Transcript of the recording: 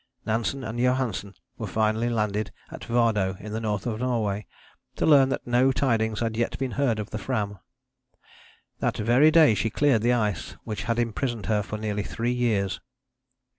Nansen and Johansen were finally landed at Vardo in the north of Norway, to learn that no tidings had yet been heard of the Fram. That very day she cleared the ice which had imprisoned her for nearly three years.